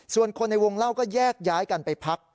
ส่วนคนในวงเล่าก็แยกย้ายกันไปพัก